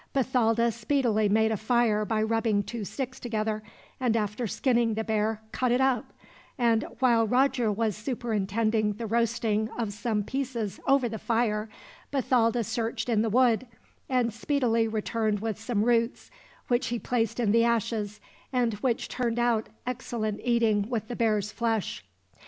Bathalda speedily made a fire by rubbing two sticks together, and after skinning the bear, cut it up; and while Roger was superintending the roasting of some pieces over the fire, Bathalda searched in the wood, and speedily returned with some roots, which he placed in the ashes, and which turned out excellent eating with the bear's flesh.